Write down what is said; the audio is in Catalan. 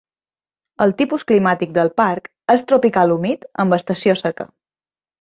El tipus climàtic del parc és tropical humit amb estació seca.